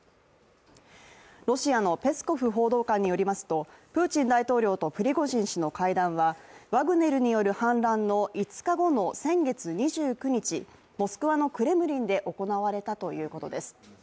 ロシアのペスコフ報道官によりますと、プーチン大統領とプリゴジン氏の会談は、ワグネルによる反乱の５日後の先月２９日、モスクワのクレムリンで行われたということです。